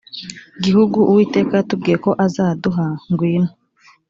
gihugu uwiteka yatubwiye ko azaduha ngwino